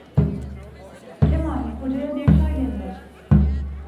Kemal, Hoca'ya bir çay demle.